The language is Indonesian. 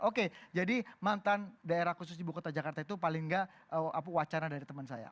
oke jadi mantan daerah khusus ibu kota jakarta itu paling nggak wacana dari teman saya